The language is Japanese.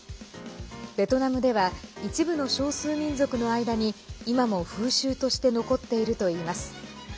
ベトナムでは一部の少数民族の間に今も風習として残っているといいます。